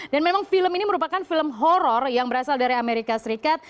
dan memang film ini merupakan film horror yang berasal dari amerika serikat